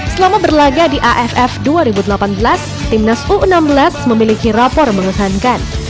selama berlaga di aff dua ribu delapan belas timnas u enam belas memiliki rapor mengesankan